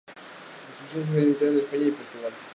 Distribución muy limitada en España y Portugal.